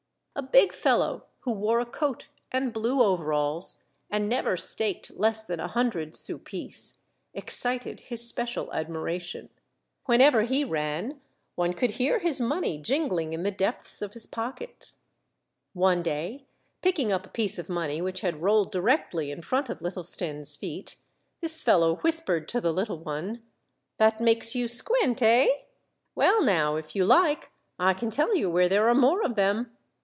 A big fellow who wore a coat and blue overalls, and never staked less than a hundred sou piece, excited his special admiration. Whenever he ran, one could hear his money jingling in the depths of his pockets. One day, picking up a piece of money which had rolled directly in front of little Stenne's feet, this fellow whispered to the little one, —" That makes you squint, eh? Well, now, if you like, I can tell you where there are more of them."